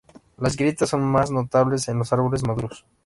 Las grietas son más notables en los árboles maduros.